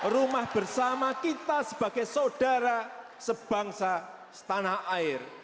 rumah bersama kita sebagai saudara sebangsa setanah air